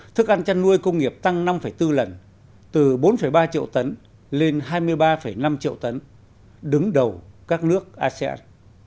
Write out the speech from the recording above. thức ăn chăn nuôi công nghiệp tăng năm bốn lần từ bốn ba triệu tấn lên hai mươi ba năm triệu tấn đứng đầu các nước asean